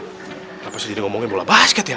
kenapa sendiri ngomongin bola basket ya